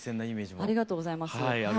ありがとうございます。